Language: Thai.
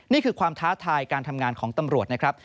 นี่คือความท้าทายการทำงานของตำรวจนะครับ